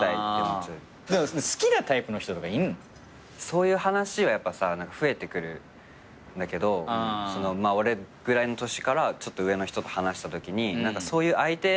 そういう話はやっぱさ増えてくるんだけど俺ぐらいの年からちょっと上の人と話したときに何かそういう相手。